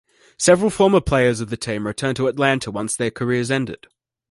Several former players of the team returned to Atlanta once their careers ended.